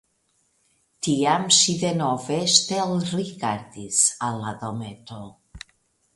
Tiam ŝi denove ŝtelrigardis al la dometo.